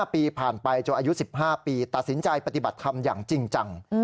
ปีผ่านไปจนอายุ๑๕ปีตัดสินใจปฏิบัติธรรมอย่างจริงจัง